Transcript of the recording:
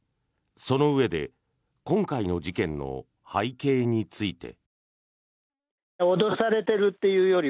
そのうえで今回の事件の背景について。